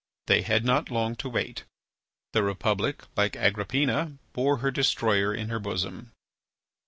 They had not long to wait. The Republic, like Agrippina, bore her destroyer in her bosom.